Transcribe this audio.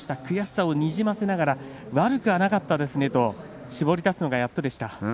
悔しさをにじませながら悪くはなかったですねと絞り出すのがやっとでした。